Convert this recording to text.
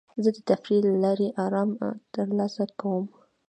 زه د تفریح له لارې ارام ترلاسه کوم.